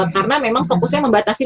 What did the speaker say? karena memang fokusnya membatasi